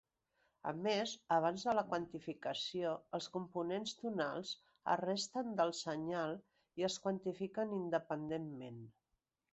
A més, abans de la quantificació, els components tonals es resten del senyal i es quantifiquen independentment.